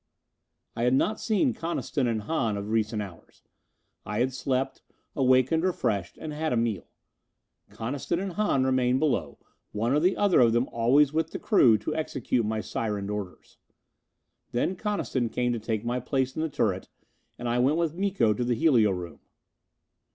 I had not seen Coniston and Hahn of recent hours. I had slept, awakened refreshed, and had a meal. Coniston and Hahn remained below, one or the other of them always with the crew to execute my sirened orders. Then Coniston came to take my place in the turret, and I went with Miko to the helio room.